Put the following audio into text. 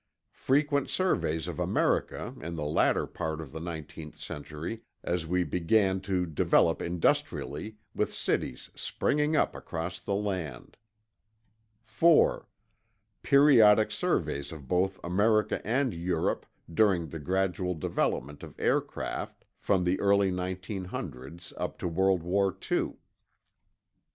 Frequent surveys of America in the latter part of the nineteenth century, as we began to develop industrially, with cities springing up across the land. 4. Periodic surveys of both America and Europe during the gradual development of aircraft, from the early 1900's up to World War II. 5.